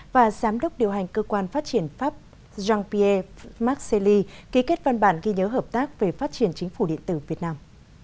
và giám đốc điều hành cơ quan phát triển pháp jean pierre marcelli ký kết văn bản ghi nhớ hợp tác về phát triển chính phủ điện tử việt nam